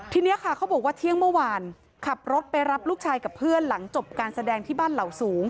ทีนี้ค่ะเขาบอกว่าเที่ยงเมื่อวานขับรถไปรับลูกชายกับเพื่อนหลังจบการแสดงที่บ้านเหล่าสูง